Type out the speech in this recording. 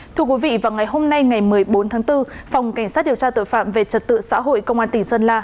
thưa quý vị vào ngày hôm nay ngày một mươi bốn tháng bốn phòng cảnh sát điều tra tội phạm về trật tự xã hội công an tỉnh sơn la